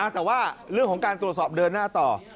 แต่ว่าเรื่องของการตรวจสอบเดินหน้าต่อ